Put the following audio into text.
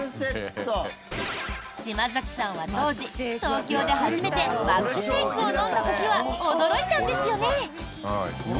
島崎さんは当時東京で初めてマックシェイクを飲んだ時は驚いたんですよね？